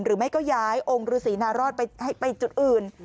หรือไม่ก็ย้ายองค์ฤษีนารอดไปจุดอื่น